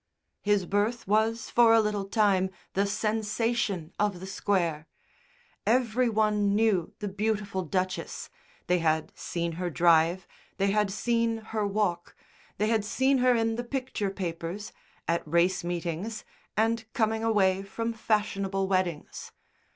His birth was for a little time the sensation of the Square. Every one knew the beautiful Duchess; they had seen her drive, they had seen her walk, they had seen her in the picture papers, at race meetings and coming away from fashionable weddings.